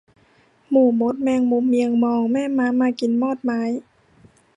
หมู่มดแมงมุมเมียงมองแม่ม้ามากินมอดไม้